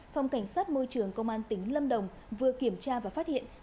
phòng cảnh sát môi trường công an tỉnh lâm đồng vừa kiểm tra và phát hiện